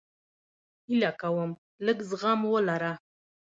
هیله کوم لږ زغم ولره